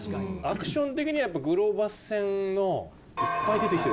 アクション的にはやっぱりグローバス戦のいっぱい出てきてる。